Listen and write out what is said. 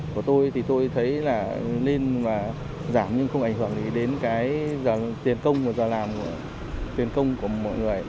của tôi thì tôi thấy là nên mà giảm nhưng không ảnh hưởng đến cái giờ tiền công và giờ làm của mọi người